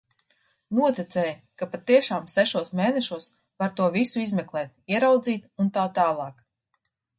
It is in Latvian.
Noticēja, ka patiešām sešos mēnešos var to visu izmeklēt, ieraudzīt, un tā tālāk.